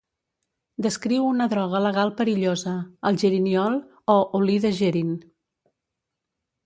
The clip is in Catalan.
Descriu una droga legal perillosa, el "geriniol" o "olí de gerin".